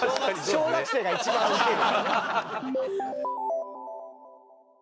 小学生が一番ウケる。